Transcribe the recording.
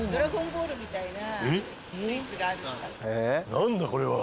何だこれは。